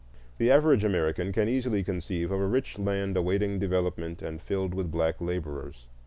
The average American can easily conceive of a rich land awaiting development and filled with black laborers.